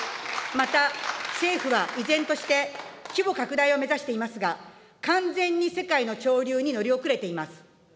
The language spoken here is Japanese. また、政府は依然として、規模拡大を目指していますが、完全に世界の潮流に乗り遅れています。